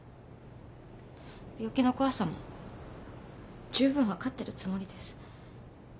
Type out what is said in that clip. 病気の怖さも十分分かってるつもりです。